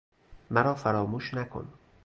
مرافراموش نکن